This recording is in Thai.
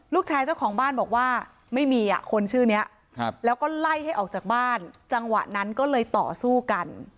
เจ้าของบ้านบอกว่าไม่มีอ่ะคนชื่อนี้แล้วก็ไล่ให้ออกจากบ้านจังหวะนั้นก็เลยต่อสู้กัน